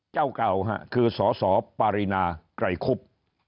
เจ้าเก่าคือสสปารินาไกรคุบ